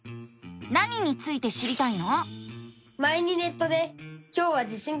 何について知りたいの？